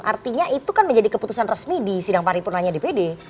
artinya itu kan menjadi keputusan resmi di sidang paripurnanya dpd